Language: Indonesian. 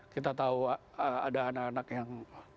kita tahu ada anak anak yang